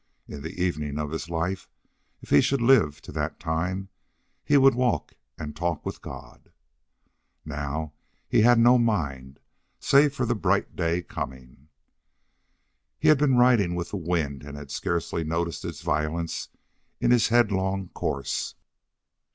In the evening of his life, if he should live to that time, he would walk and talk with God. Now he had no mind save for the bright day coming. He had been riding with the wind and had scarcely noticed its violence in his headlong course.